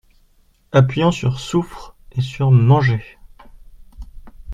Appuyant sur "souffres" et sur "manger".